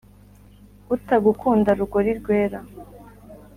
utagukunda rugori rwera